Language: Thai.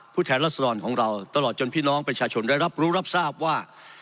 แทนรัศดรของเราตลอดจนพี่น้องประชาชนได้รับรู้รับทราบว่า